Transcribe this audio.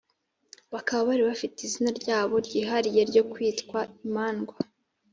bakaba bari bafite izina ryabo ryihariye ryo kwitwa Imandwa.